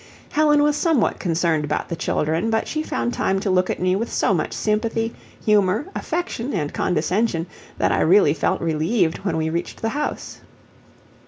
Helen was somewhat concerned about the children, but she found time to look at me with so much of sympathy, humor, affection, and condescension that I really felt relieved when we reached the house.